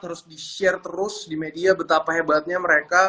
harus di share terus di media betapa hebatnya mereka